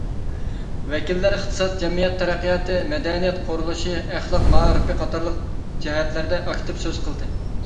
ۋەكىللەر ئىقتىساد، جەمئىيەت تەرەققىياتى، مەدەنىيەت قۇرۇلۇشى، ئەخلاق مائارىپى قاتارلىق جەھەتلەردە ئاكتىپ سۆز قىلدى.